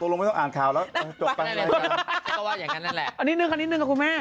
ตรงนั้นไม่ต้องอ่านข่าวแล้วจบกันเลยค่ะเอานิดนึงกับคุณแม่